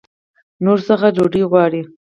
نورو څخه ډوډۍ غواړي.